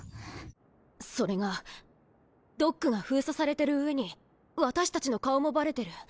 それがドックが封鎖されてる上に私たちの顔もバレてる。